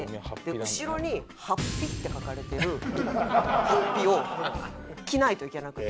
後ろに「ハッピ」って書かれてる法被を着ないといけなくて。